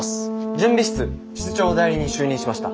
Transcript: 準備室室長代理に就任しました。